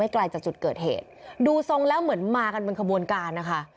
ไกลจากจุดเกิดเหตุดูทรงแล้วเหมือนมากันเป็นขบวนการนะคะ